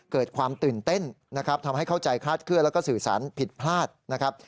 เกิดความตื่นเต้นนะครับทำให้เข้าใจคาดเคลื่อนแล้วก็สื่อสารผิดพลาดนะครับ